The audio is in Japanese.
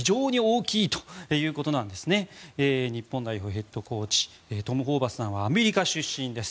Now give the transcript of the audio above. ヘッドコーチトム・ホーバスさんはアメリカ出身です。